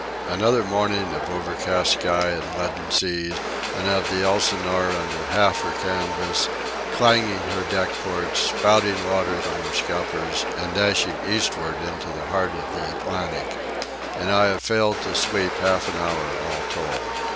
Another morning of overcast sky and leaden sea, and of the Elsinore, under half her canvas, clanging her deck ports, spouting water from her scuppers, and dashing eastward into the heart of the Atlantic. And I have failed to sleep half an hour all told.